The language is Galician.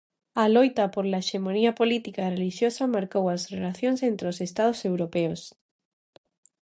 A loita pola hexemonía política e relixiosa marcou as relacións entre os estados europeos.